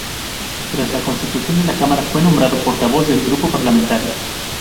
Tras la constitución de la cámara, fue nombrado portavoz del grupo parlamentario.